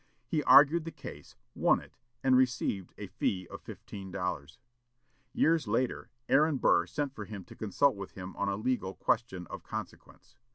He argued the case, won it, and received a fee of fifteen dollars. Years after, Aaron Burr sent for him to consult with him on a legal question of consequence.